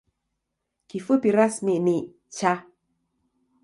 Kifupi rasmi ni ‘Cha’.